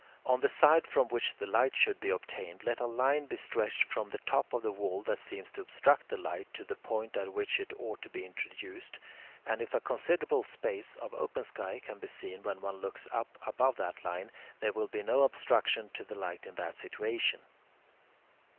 On the side from which the light should be obtained let a line be stretched from the top of the wall that seems to obstruct the light to the point at which it ought to be introduced, and if a considerable space of open sky can be seen when one looks up above that line, there will be no obstruction to the light in that situation.